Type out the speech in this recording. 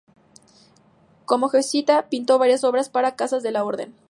Como jesuita, pintó varias obras para casas de la orden.